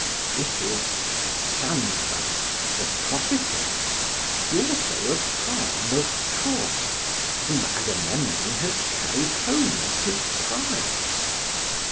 It is Cassandra, the prophetess, daughter of Priam of Troy, whom Agamemnon has carried home as his prize.